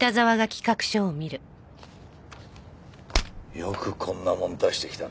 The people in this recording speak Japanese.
よくこんなもん出してきたな。